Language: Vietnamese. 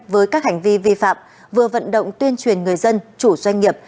với các hành vi vi phạm vừa vận động tuyên truyền người dân chủ doanh nghiệp